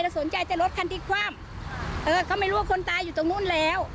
สนใจแต่รถคันที่คว่ำเออก็ไม่รู้ว่าคนตายอยู่ตรงนู้นแล้ว